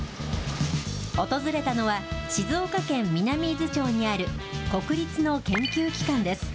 訪れたのは、静岡県南伊豆町にある、国立の研究機関です。